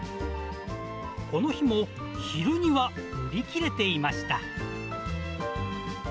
この日も昼には売り切れていました。